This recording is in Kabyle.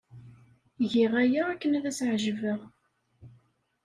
Giɣ aya akken ad as-ɛejbeɣ.